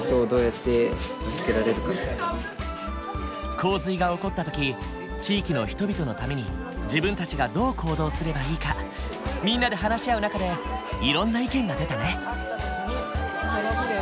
洪水が起こった時地域の人々のために自分たちがどう行動すればいいかみんなで話し合う中でいろんな意見が出たね。